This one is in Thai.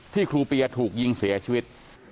ครูเปียถูกยิงเสียชีวิต